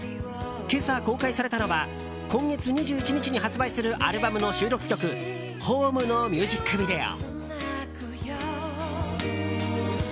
今朝公開されたのは今月２１日に発売するアルバムの収録曲「Ｈｏｍｅ」のミュージックビデオ。